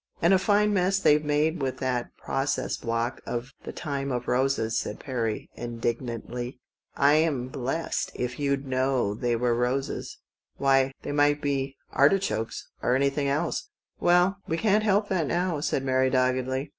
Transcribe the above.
" And a fine mess they've made with that process block of ' The Time of Roses,' " said Perry indignantly. "I'm blessed if you'd know they were roses. Why, they might be — artichokes— or anything else." " Well, we can't help that now," said Mary doggedly.